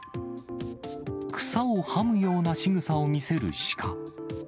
草をはむようなしぐさを見せるシカ。